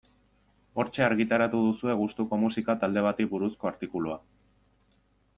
Hortxe argitaratu duzue gustuko musika talde bati buruzko artikulua.